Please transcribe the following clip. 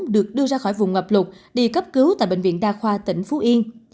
được đưa ra khỏi vùng ngập lụt đi cấp cứu tại bệnh viện đa khoa tỉnh phú yên